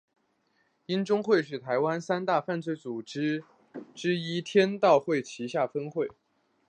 鹰中会是台湾三大犯罪组织之一天道盟旗下分会。